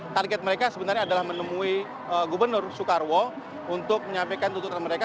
target mereka sebenarnya adalah menemui gubernur soekarwo untuk menyampaikan tuntutan mereka